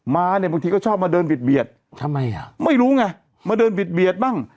มาเนี่ยบางทีก็ชอบมาเดินเบียดทำไมอ่ะไม่รู้ไงมาเดินบิดเบียดบ้าง